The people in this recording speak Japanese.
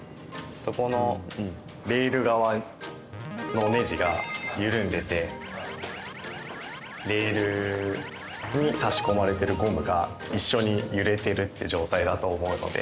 そこのレール側のネジが緩んでてレールに差し込まれてるゴムが一緒に揺れてるって状態だと思うので。